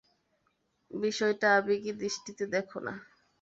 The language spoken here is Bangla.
বিষয়টা আবেগী দৃষ্টিতে দেখো না।